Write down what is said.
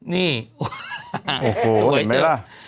นี่โอโหเห็นไหมล่ะ